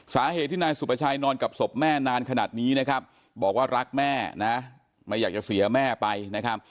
สาเหตุที่นายสุประชัยนอนกับศพแม่นานขนาดนี้นะครับบอกว่ารักแม่นะไม่อยากจะเสียแม่ไปนะครับ